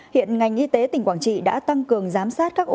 hiện ngành y tế tỉnh quảng trị đã tăng cường giám sát các ổn định